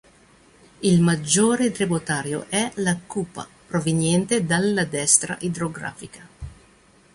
Il maggiore tributario è la "Kupa", proveniente dalla destra idrografica.